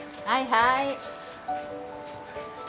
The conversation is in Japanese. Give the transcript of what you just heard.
はいはい。